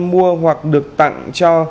mua hoặc được tặng cho